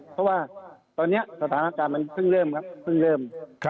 เพราะว่าตอนนี้สถานการณ์มันเพิ่งเริ่มครับเพิ่งเริ่ม